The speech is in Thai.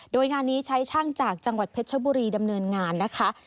โดยงานนี้ใช้ช่างจากจังหวัดเพชรชบุรีดำเนินงานนะคะ